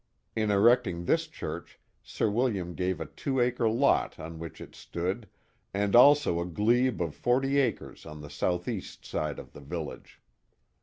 In erecting this church Sir William gave a two acre lot on which it stood and also a glebe of forty acres on the south east side of the village.